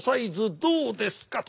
どうですかと。